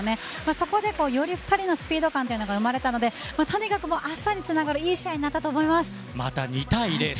そこで２人のスピード感が上がったのでとにかく明日につながるいい試合になったと思います。